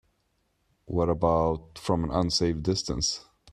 What about from an unsafe distance?